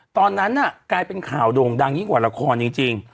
ตอนนั้นกลายเป็นข่าวโด่งดังยิ่งกว่าละครจริง